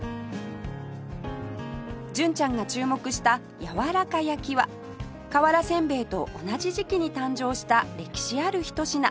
純ちゃんが注目したやわらか焼は瓦せんべいと同じ時期に誕生した歴史あるひと品